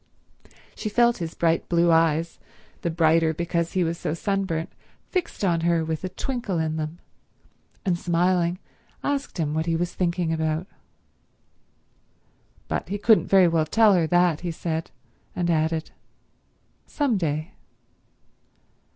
She felt his bright blue eyes, the brighter because he was so sunburnt, fixed on her with a twinkle in them, and smiling asked him what he was thinking about. But he couldn't very well tell her that, he said; and added, "Some day."